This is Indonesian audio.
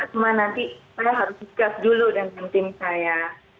cuma nanti saya harus cus dulu dengan tim saya